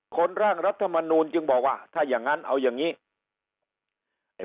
ร่างรัฐมนูลจึงบอกว่าถ้าอย่างนั้นเอาอย่างนี้